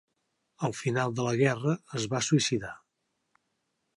Al final de la guerra, es va suïcidar.